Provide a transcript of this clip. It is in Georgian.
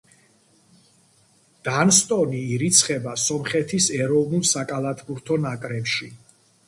დანსტონი ირიცხება სომხეთის ეროვნულ საკალათბურთო ნაკრებში.